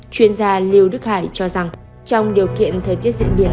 chuyên gia lưu đức hải cho rằng trong điều kiện thời tiết diễn biến